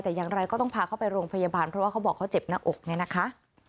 แต่อย่างไรก็ต้องพาเขาไปโรงพยาบาลเพราะว่าเขาบอกเขาเจ็บหน้าอกเนี่ยนะคะ